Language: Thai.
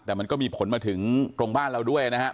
แต่มันก็มีผลมาถึงตรงบ้านเราด้วยนะครับ